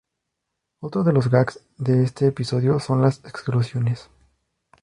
Otro de los "gags" de este episodio son la exclusiones.